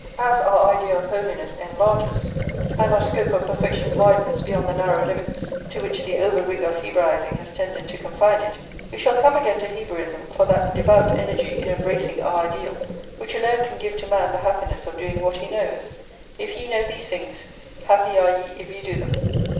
As our idea of holiness enlarges, and our scope of perfection widens beyond the narrow limits to which the over rigour of Hebraising has tended to confine it, we shall come again to Hebraism for that devout energy in embracing our ideal, which alone can give to man the happiness of doing what he knows. "If ye know these things, happy are ye if ye do them!"